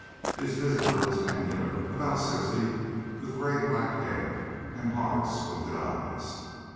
His visitor was angular, about sixty, with gray black hair and hard squinted eyes.